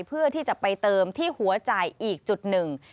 เพื่อที่จะไปเติมที่หัวจ่ายอีกจุดหนึ่ง